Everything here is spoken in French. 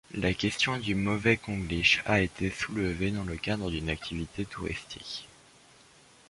La question du mauvais konglish a été soulevée dans le cadre de l'activité touristique.